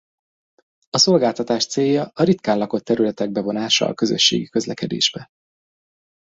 A szolgáltatás célja a ritkán lakott területek bevonása a közösségi közlekedésbe.